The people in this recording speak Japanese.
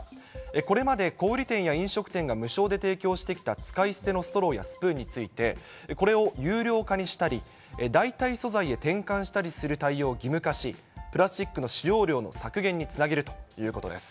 これまで小売り店や飲食店が無償で提供してきた使い捨てのストローやスプーンについて、これを有料化にしたり、代替素材へ転換したりする対応を義務化し、プラスチックの使用量の削減につなげるということです。